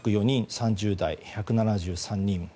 ３０代、１７３人。